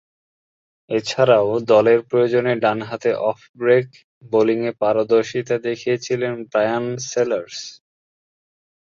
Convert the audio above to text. এছাড়াও, দলের প্রয়োজনে ডানহাতে অফ-ব্রেক বোলিংয়ে পারদর্শীতা দেখিয়েছেন ব্রায়ান সেলার্স।